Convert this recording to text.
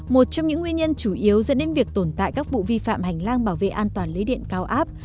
một trong những nguyên nhân chủ yếu dẫn đến việc tồn tại các vụ vi phạm hành lang bảo vệ an toàn lưới điện cao áp